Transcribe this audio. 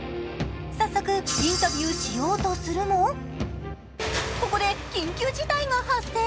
早速、インタビューしようとするもここで緊急事態が発生！